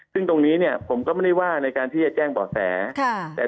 ซึ่งตรงนี้เนี่ยผมก็ไม่ได้ว่าในการที่จะแจ้งบ่อแส